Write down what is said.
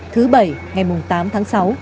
thứ bảy ngày tám tháng sáu